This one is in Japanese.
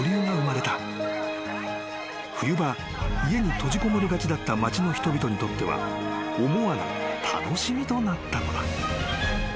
［冬場家に閉じこもりがちだった町の人々にとっては思わぬ楽しみとなったのだ］